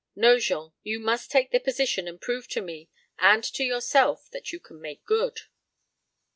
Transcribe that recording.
"No, Jean, you must take the position and prove to me and to yourself that you can make good."